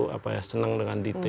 selalu senang dengan detail